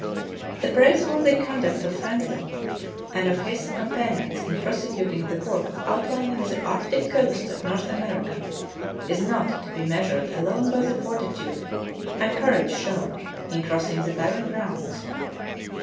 The praiseworthy conduct of Franklin and of his 36 True Tales of Arctic Heroism companions in prosecuting the work of outlining the arctic coasts of North America is not to be measured alone by the fortitude and courage shown in crossing the barren grounds.